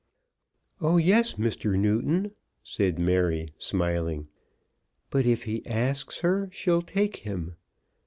"Oh, yes, Mr. Newton," said Mary smiling. "But if he asks her, she'll take him."